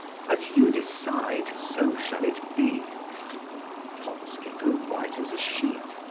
As you decide, so shall it be." Totski grew white as a sheet.